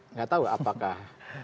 tidak tahu apakah